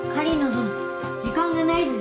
どの時間がないぞよ。